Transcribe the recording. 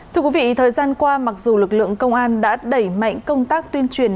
thưa quý vị thời gian qua mặc dù lực lượng công an đã đẩy mạnh công tác tuyên truyền